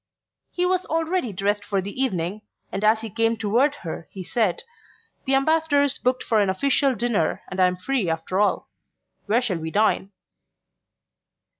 He was already dressed for the evening, and as he came toward her he said: "The Ambassador's booked for an official dinner and I'm free after all. Where shall we dine?"